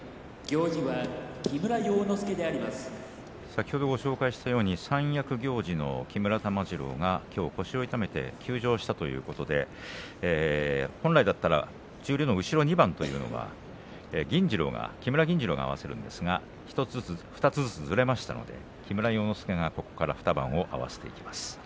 先ほどご紹介したように三役行司の木村玉治郎がきょう腰を痛めて休場したということで本来だったら十両の後ろ２番というのは銀治郎が合わせるんですが２つずつずれましたので木村要之助がここから２番を合わせます。